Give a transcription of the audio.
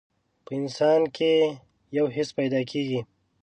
په انسان کې يو حس پيدا کېږي.